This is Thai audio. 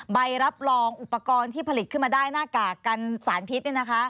ใบรับรองอุปกรณ์ที่ผลิตขึ้นมาได้หน้ากากกันสารพิษ